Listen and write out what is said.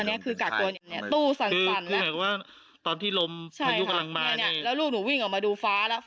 ไหนก็จะปัญหาโควิดอีก